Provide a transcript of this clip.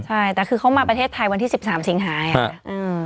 ใช่แต่คือเขามาประเทศไทยวันที่สิบสามสิงหาอย่างเงี้ยอืม